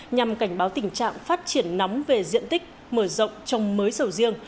nhằm cảnh báo tình trạng phát triển nóng về diện tích mở rộng trồng mới sầu riêng